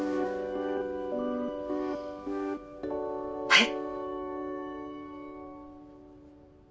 はい。